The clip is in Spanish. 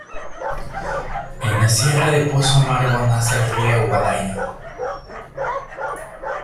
En la sierra de Pozo Amargo nace el río Guadaíra.